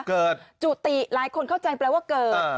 เกิดจุติหลายคนเข้าใจแปลว่าเกิดเออ